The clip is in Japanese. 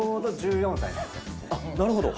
なるほど。